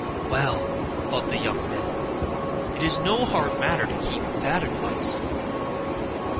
'Well,' thought the young man, 'it is no hard matter to keep that advice.